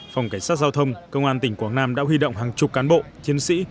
phòng cảnh sát giao thông công an tỉnh quảng nam đã huy động hàng chục cán bộ chiến sĩ